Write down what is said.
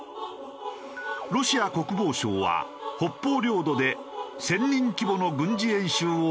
ロシア国防省は北方領土で１０００人規模の軍事演習を行ったと発表。